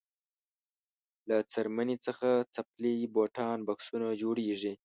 له څرمنې څخه څپلۍ بوټان بکسونه جوړیږي.